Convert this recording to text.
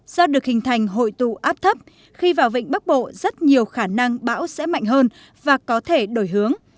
do được hình thành hội tụ áp thấp khi vào vịnh bắc bộ rất nhiều khả năng bão sẽ mạnh hơn và có thể đổi hướng